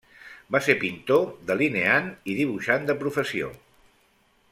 Va ser pintor, delineant i dibuixant de professió.